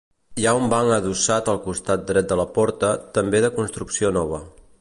Hi ha un banc adossat al costat dret de la porta, també de construcció nova.